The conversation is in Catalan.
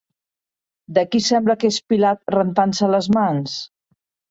De qui sembla que és Pilat rentant-se les mans?